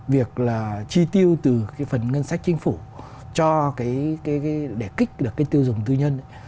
việc là chi tiêu từ phần ngân sách chính phủ để kích được cái tiêu dùng tư nhân